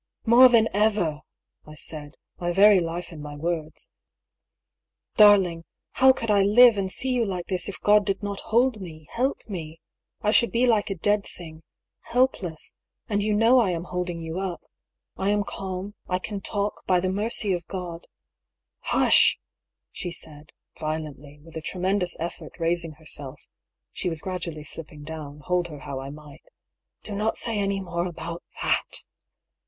" More than ever !" I said, my very life in my words. " Darling, how could I live and see you like this if God did not hold me, help me? I should be* like a dead thing — helpless — and you know I am holding you up. I am calm, I can talk, by the mercy of God "" Hush !" she said, violently, with a tremendous effort raising herself (she was gradually slipping down, hold her how I might). " Do not say any more about that.